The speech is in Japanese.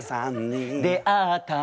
「出会った！」